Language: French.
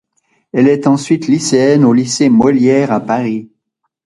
Elle est ensuite lycéenne au lycée Molière à Paris.